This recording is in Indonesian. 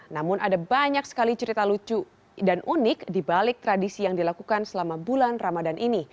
namun ada banyak sekali cerita lucu dan unik dibalik tradisi yang dilakukan selama bulan ramadan ini